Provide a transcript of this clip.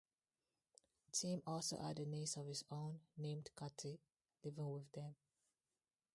Tim also had a niece of his own, named Katy, living with them.